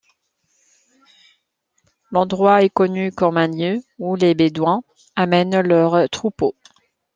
L'endroit est connu comme un lieu où les bédouins amènent leurs troupeaux.